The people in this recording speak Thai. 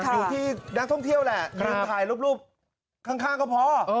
อยู่ที่นักท่องเที่ยวแหละยืนถ่ายรูปข้างก็พอ